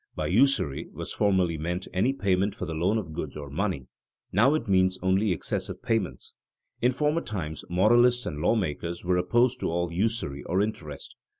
_ By usury was formerly meant any payment for the loan of goods or money; now it means only excessive payments. In former times moralists and lawmakers were opposed to all usury or interest.